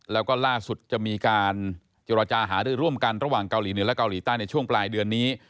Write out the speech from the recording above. แล้วก็ล่าสุดจะมีการเจรจาหารือร่วมกันระหว่างเกาหลีเหนือและเกาหลีใต้ในช่วงปลายเดือนนี้